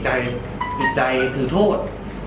จะเป็นทำสิ่งทางกฎหมาย